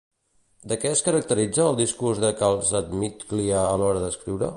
De què es caracteritza el discurs de Calsamiglia a l'hora d'escriure?